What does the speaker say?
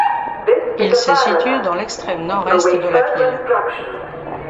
Il se situe dans l’extrême Nord-Est de la ville.